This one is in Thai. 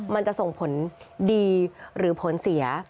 มันจะส่งผลดีหรือผลเสีย